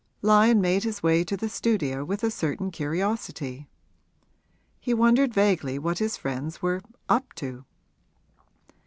Lyon made his way to the studio with a certain curiosity; he wondered vaguely what his friends were 'up to.'